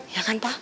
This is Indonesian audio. ya kan pa